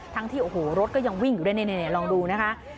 ที่โอ้โหรถก็ยังวิ่งอยู่ด้วยนี่ลองดูนะคะ